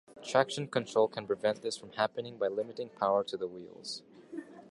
Traction control can prevent this from happening by limiting power to the wheels.